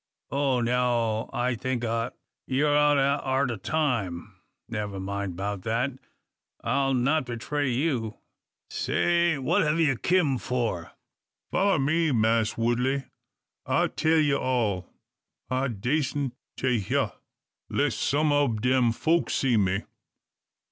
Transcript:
Oh! now I think o't, you're out arter time. Never mind 'bout that; I'll not betray you. Say; what hev ye kim for?" "Foller me, Mass Woodley; I tell yer all. I dasent tay hya, less some ob dem folk see me.